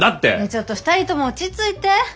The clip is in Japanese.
ちょっと２人とも落ち着いて。